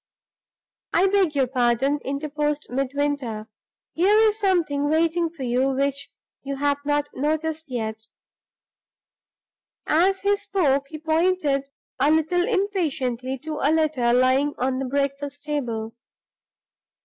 "I beg your pardon," interposed Midwinter, "here is something waiting for you which you have not noticed yet." As he spoke, he pointed a little impatiently to a letter lying on the breakfast table.